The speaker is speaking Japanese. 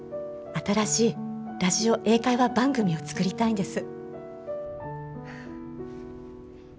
新しいラジオ英会話番組を作りたいんです。